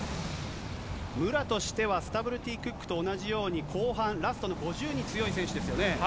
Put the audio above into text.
武良としてはスタブルティクックと同じように後半、ラストの５０に強い選手ですよね。